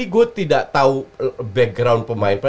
gue tidak tahu background pemain